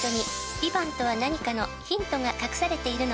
「「ＶＩＶＡＮＴ」とは何かのヒントが隠されているので」